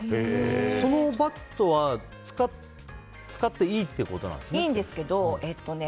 そのバットは使っていいってことなんですかね。